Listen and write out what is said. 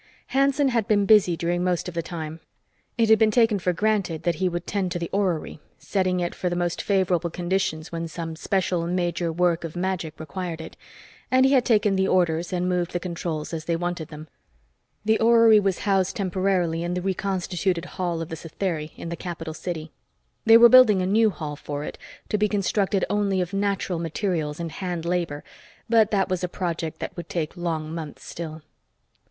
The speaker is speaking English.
Hanson had been busy during most of the time. It had been taken for granted that he would tend to the orrery, setting it for the most favorable conditions when some special major work of magic required it, and he had taken the orders and moved the controls as they wanted them. The orrery was housed temporarily in the reconstituted hall of the Satheri in the capital city. They were building a new hall for it, to be constructed only of natural materials and hand labor, but that was a project that would take long months still.